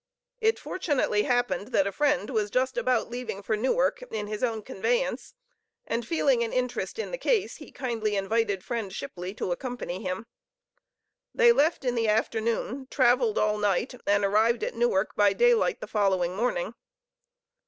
It fortunately happened that a friend was just about leaving for Newark, in his own conveyance, and feeling an interest in the case, he kindly invited friend Shipley to accompany him. They left in the afternoon, traveled all night, and arrived at Newark by daylight the following morning.